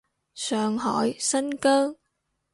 上海，新疆